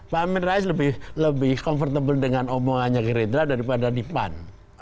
pak amin rais lebih comfortable dengan omongannya gerindra daripada di pan